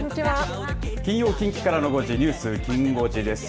金曜、近畿からの５時ニュースきん５時です。